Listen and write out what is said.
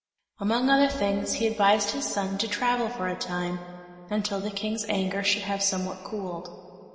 Among other things, he advised his son to travel for a time, until the King's anger should have somewhat cooled.